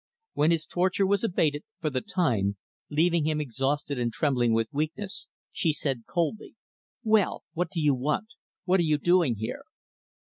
When his torture was abated for the time leaving him exhausted and trembling with weakness, she said coldly, "Well, what do you want? What are you doing here?"